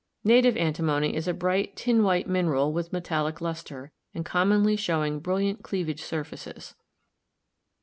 Native Antimony is a bright tin white mineral with metallic luster, and com monly showing brilliant cleavage surfaces.